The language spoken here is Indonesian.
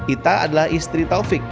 ita adalah istri taufik